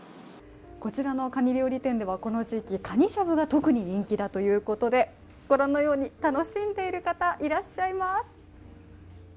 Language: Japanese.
こちらのカニ料理店ではこの時期、かにしゃぶが特に人気だということで、ご覧のように楽しんでいる方がいらっしゃいます。